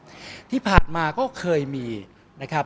ก็ต้องทำอย่างที่บอกว่าช่องคุณวิชากำลังทำอยู่นั่นนะครับ